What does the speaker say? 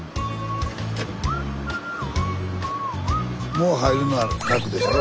もう入るのは楽でしょう？